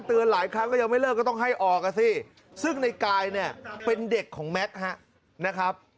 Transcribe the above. หลายครั้งก็ยังไม่เลิกก็ต้องให้ออกอ่ะสิซึ่งในกายเนี่ยเป็นเด็กของแม็กซ์นะครับ